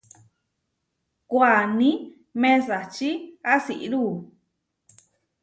Waní mesačí asirú.